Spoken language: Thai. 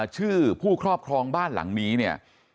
ชื่อผู้ครอบครองบ้านหลังนี้เนี่ย